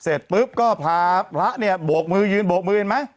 เสร็จปุ๊บก็พารพระเนี่ยบวกมือยืนบวกมือยืนมั้ย